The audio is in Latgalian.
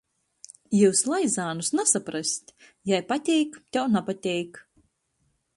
Jius, Laizānus, nasaprast... Jai pateik, tev napateik!...